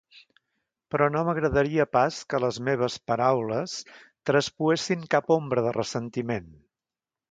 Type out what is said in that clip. Però no m'agradaria pas que les meves paraules traspuessin cap ombra de ressentiment.